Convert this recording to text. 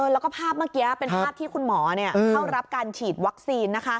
แล้วก็ภาพเมื่อกี้เป็นภาพที่คุณหมอเข้ารับการฉีดวัคซีน